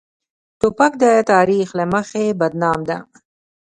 توپک د تاریخ له مخې بدنامه ده.